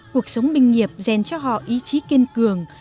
cuộc sống bình nghiệp dèn cho họ ý chí kiên cường